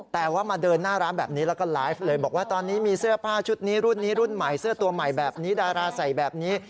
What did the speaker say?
แต่ว่ามาเดินหน้าร้านแบบนี้แล้วก็ไลฟ์เลยบอกว่าตอนนี้มีเสื้อผ้าชุดนี้รุ่นนี้รุ่นใหม่เสื้อตัวใหม่แบบนี้ดาราใส่แบบนี้